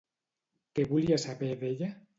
Què volia saber d'ella?